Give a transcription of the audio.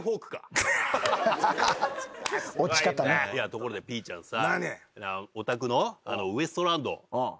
ところでぴーちゃんさ。